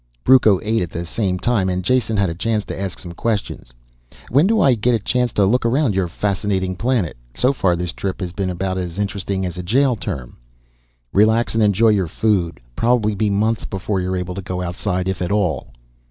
Brucco ate at the same time and Jason had a chance to ask some questions. "When do I get a chance to look around your fascinating planet? So far this trip has been about as interesting as a jail term." "Relax and enjoy your food. Probably be months before you're able to go outside. If at all."